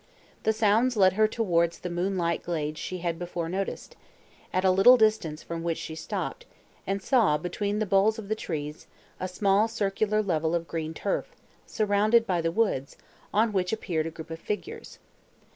The sounds led her towards the moonlight glade she had before noticed; at a little distance from which she stopped, and saw, between the boles of the trees, a small circular level of green turf, surrounded by the woods, on which appeared a group of figures.